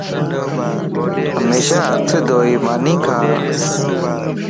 ھميشا ھٿ ڌوئي ماني کا